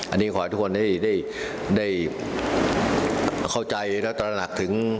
อันนี้ขอให้ทุกคนได้เข้าใจและตระหนักถึง